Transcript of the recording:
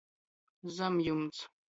Zamjumts.